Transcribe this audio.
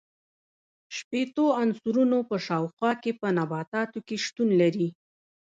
شپیتو عنصرونو په شاوخوا کې په نباتاتو کې شتون لري.